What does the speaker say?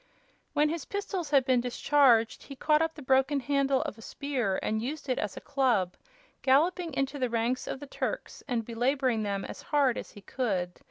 When his pistols had been discharged he caught up the broken handle of a spear, and used it as a club, galloping into the ranks of the Turks and belaboring them as hard as he could.